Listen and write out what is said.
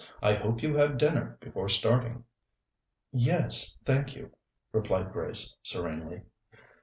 I hope you had dinner before starting?" "Yes, thank you," replied Grace serenely.